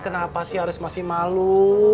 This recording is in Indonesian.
kenapa sih harus masih malu